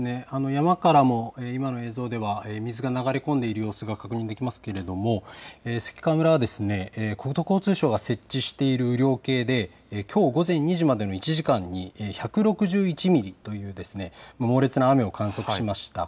山からも今の映像では水が流れ込んでいる様子が確認できますけれども関川村は国土交通省が設置している雨量計できょう午前２時までの１時間に１６１ミリという猛烈な雨を観測しました。